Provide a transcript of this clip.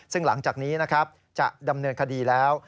ซึ่งหลังจากนี้นะครับจะดำเนินคดีแล้ว